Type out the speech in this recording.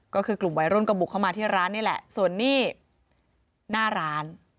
ก็คือกลุ่มวัยรุ่นก็บุกเข้ามาที่ร้านนี่แหละส่วนนี้หน้าร้าน